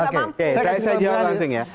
oke saya jawab langsung ya